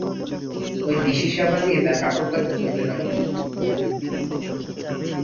ঐ দিশি সাবান দিয়ে তাঁর কাপড়-কাচা চলতে লাগল।